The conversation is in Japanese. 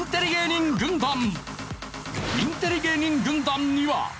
インテリ芸人軍団には。